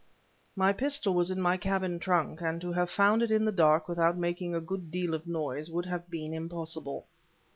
My pistol was in my cabin trunk, and to have found it in the dark, without making a good deal of noise, would have been impossible.